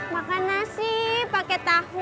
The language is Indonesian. makan nasi pakai tahu